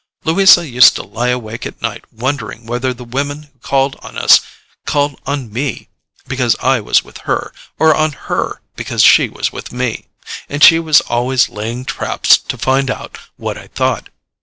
Louisa used to lie awake at night wondering whether the women who called on us called on ME because I was with her, or on HER because she was with me; and she was always laying traps to find out what I thought.